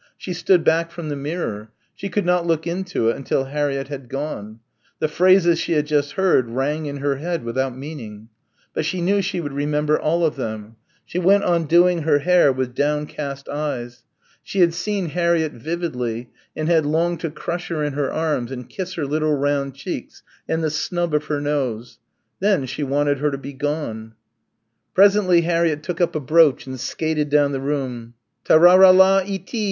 She stood back from the mirror. She could not look into it until Harriett had gone. The phrases she had just heard rang in her head without meaning. But she knew she would remember all of them. She went on doing her hair with downcast eyes. She had seen Harriett vividly, and had longed to crush her in her arms and kiss her little round cheeks and the snub of her nose. Then she wanted her to be gone. Presently Harriett took up a brooch and skated down the room, "Ta ra ra la eee tee!"